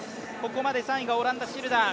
ここまで３位がオランダ、シルダー。